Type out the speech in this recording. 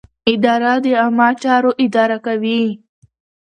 اداره د عامه چارو اداره کوي.